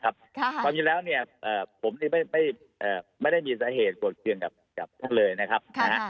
ความยินดีแล้วผมไม่ได้มีสาเหตุปวดเคลื่อนกับท่านเลยนะครับ